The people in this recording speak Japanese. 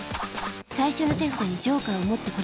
最初の手札にジョーカーを持ってこれるからね。